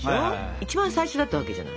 一番最初だったわけじゃない。